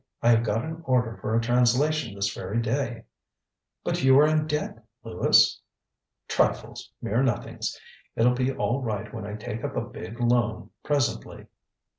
I have got an order for a translation this very day. ŌĆØ ŌĆ£But you are in debt, Lewis? ŌĆØ ŌĆ£Trifles! Mere nothings! ItŌĆÖll be all right when I take up a big loan, presently.